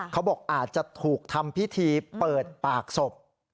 เขาบอกอาจจะถูกทำพิธีเปิดปากศพ